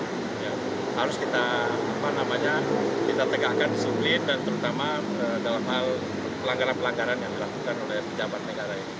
dan terutama dalam hal pelanggaran pelanggaran yang dilakukan oleh pejabat negara ini